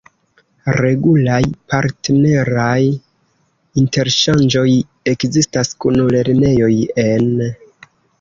Regulaj partneraj interŝanĝoj ekzistas kun lernejoj en...